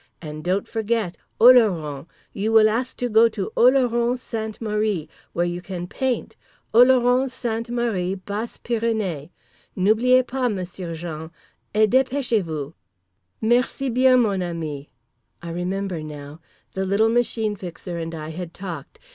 And don't forget! Oloron! You will ask to go to Oloron Sainte Marie, where you can paint! Oloron Sainte Marie, Basse Pyrenées! N'oubliez pas, M'sieu' Jean! Et dépêchez vous!" "Merci bien, mon ami!"—I remember now. The little Machine Fixer and I had talked.